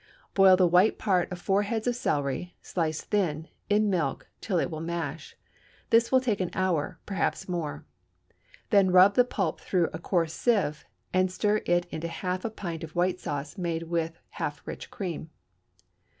Boil the white part of four heads of celery (sliced thin) in milk till it will mash; this will take an hour, perhaps more; then rub the pulp through a coarse sieve, and stir it into half a pint of white sauce made with half rich cream.